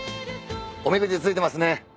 おみくじ付いてますね。